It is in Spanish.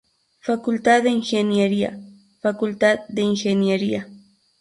Facultad de Ingeniería, Facultad de Ingeniería.